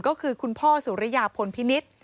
ก็คือคุณพ่อสุริยพลพิมิตร